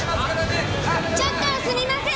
ちょっとすみません！